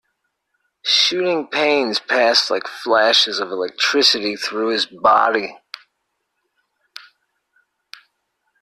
Shooting pains passed like flashes of electricity through his body.